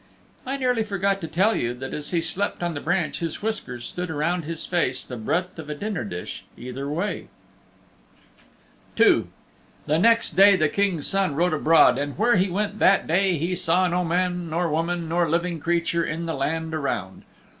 I nearly forgot to tell you that as he slept on the branch his whiskers stood around his face the breadth of a dinner dish either way. II The next day the King's Son rode abroad and where he went that day he saw no man nor woman nor living creature in the land around.